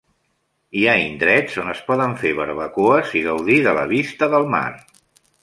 Hi ha indrets on es poden fer barbacoes i gaudir de la vista del mar.